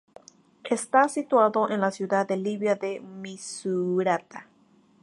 Está situado en la ciudad libia de Misurata.